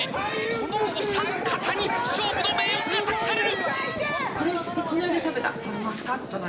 このお三方に勝負の命運が託される！